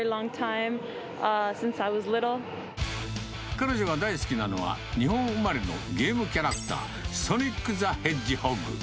彼女が大好きなのは、日本生まれのゲームキャラクター、ソニック・ザ・ヘッジホッグ。